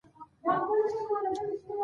که البوم وي نو عکسونه نه خپریږي.